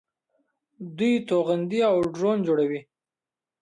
دوی توغندي او ډرون جوړوي.